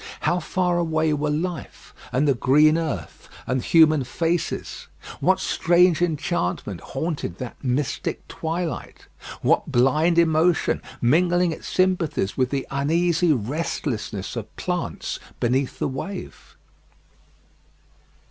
How far away were life, and the green earth, and human faces? What strange enchantment haunted that mystic twilight? What blind emotion, mingling its sympathies with the uneasy restlessness of plants beneath the wave?